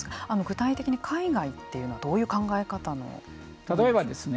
具体的に海外というのはどういう考え方なんですか。